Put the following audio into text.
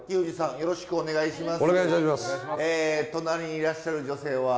よろしくお願いします。